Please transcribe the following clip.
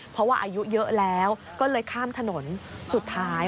เพราะว่าอายุเยอะแล้วก็เลยข้ามถนนสุดท้าย